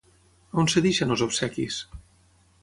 On es deixen els obsequis?